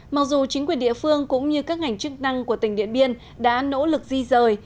mặc dù chính quyền địa phương cũng như các ngành chức năng của tỉnh điện biên đã nỗ lực di rời